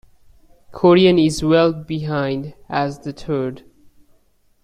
Korean is well behind as the third.